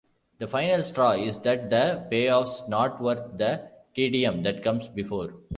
The final straw is that the payoff's not worth the tedium that comes before.